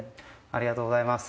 ありがとうございます。